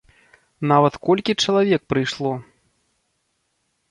Нават колькі чалавек прыйшло!